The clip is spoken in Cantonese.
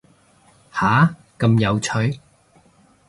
下，咁有趣